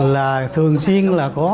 là thường xuyên là có